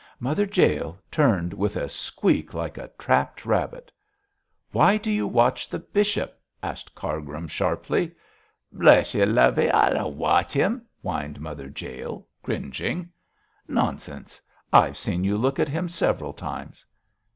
Mother Jael turned with a squeak like a trapped rabbit. 'Why do you watch the bishop?' asked Cargrim, sharply. 'Bless ye, lovey, I don't watch 'im,' whined Mother Jael, cringing. 'Nonsense, I've seen you look at him several times.'